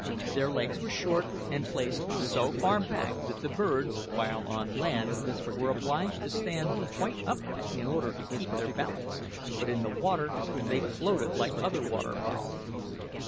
Their legs were short, and placed so far back that the birds, while on land, were obliged to stand quite upright in order to keep their balance; but in the water they floated like other water fowl.